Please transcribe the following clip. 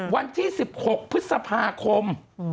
วันที่๑๖พฤษภาคม